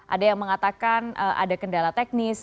ada yang mengatakan ada kendala teknis